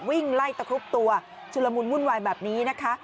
วิ่งไล่ตะครุบตัวชุลมุนวุ่นวายแบบนี้นะคะ